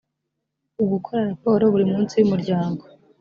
ugukora raporo buri munsi y’umuryango